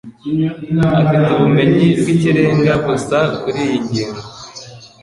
Afite ubumenyi bwikirenga gusa kuriyi ngingo.